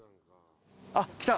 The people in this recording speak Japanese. あっ来た。